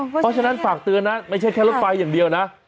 เพราะฉะนั้นฝากเตือนนะไม่ใช่แค่รถไฟอย่างเดียวนะ